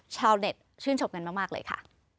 ชาวเน็ตชื่นชมกันมากเลยค่ะ